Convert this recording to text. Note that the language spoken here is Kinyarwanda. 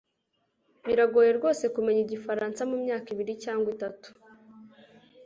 biragoye rwose kumenya igifaransa mumyaka ibiri cyangwa itatu